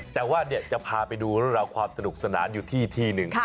แต่ว่าเดี๋ยวจะพาไปดูเรื่องราวความสนุกสนานอยู่ที่ที่หนึ่ง